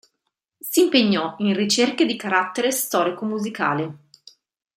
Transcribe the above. Si impegnò in ricerche di carattere storico-musicale.